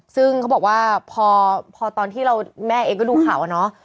ซึ่งเขาบอกว่าพอตอนที่เราแม่เองก็ดูข่าวอะเนาะ